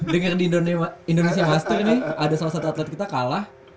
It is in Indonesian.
dengan di indonesia master ini ada salah satu atlet kita kalah